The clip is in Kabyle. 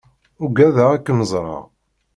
Ugadeɣ ad kem-ẓreɣ.